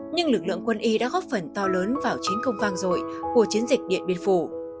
nhưng lực lượng quân y đã góp phần to lớn vào chiến công vang dội của chiến dịch điện biên phủ